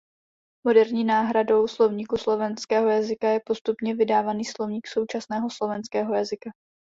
Moderní „náhradou“ Slovníku slovenského jazyka je postupně vydávaný Slovník současného slovenského jazyka.